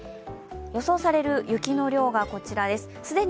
予想される雪の量がこちらです。